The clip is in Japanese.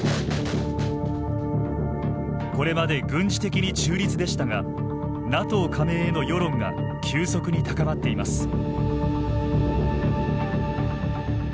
これまで軍事的に中立でしたがＮＡＴＯ加盟への世論が急速に高まっています。